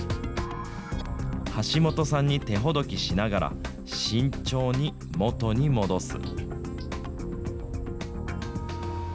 橋本さんに手ほどきしながら、慎重に元に戻す。